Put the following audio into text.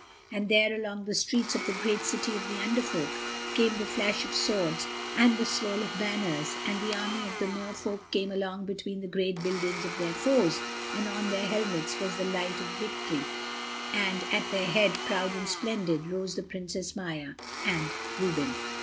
And there, along the streets of the great city of the Under Folk, came the flash of swords and the swirl of banners and the army of the Mer Folk came along between the great buildings of their foes, and on their helmets was the light of victory, and at their head, proud and splendid, rode the Princess Maia and—Reuben.